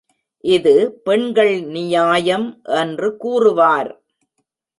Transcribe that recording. இது பெண்கள் நியாயம்! என்று கூறுவார்.